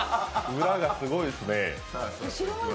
裏がすごいですね。